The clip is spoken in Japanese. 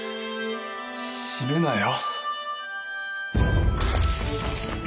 死ぬなよ！